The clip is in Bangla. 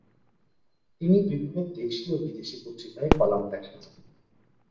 তিনি বিভিন্ন দেশী ও বিদেশী পত্রিকায় কলাম লেখেন।